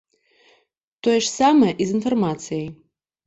Тое ж самае і з інфармацыяй.